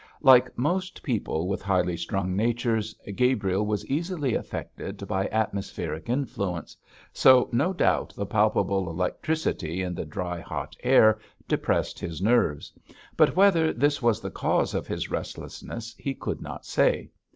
Like most people with highly strung natures, Gabriel was easily affected by atmospheric influence, so no doubt the palpable electricity in the dry, hot air depressed his nerves, but whether this was the cause of his restlessness he could not say.